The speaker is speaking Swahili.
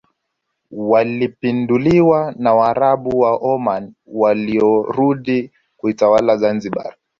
walipinduliwa na waarabu wa Oman waliorudi kuitawala Zanzibar